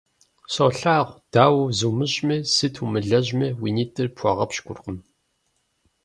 Солъагъу, дауэ зумыщӀми, сыт умылэжьми уи нитӀыр пхуэгъэпщкӀуркъым.